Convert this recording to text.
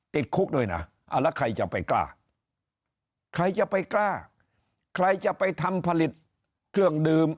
ติดคุกด้วยนะแล้วใครจะไปกล้าใครจะไปกล้าใครจะไปทำผลิตเครื่องดื่ม